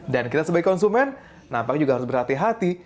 dan kita sebagai konsumen nampaknya juga harus berhati hati